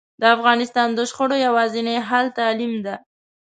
د افغانستان د شخړو یواځینی حل تعلیم ده